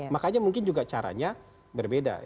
makanya mungkin juga caranya berbeda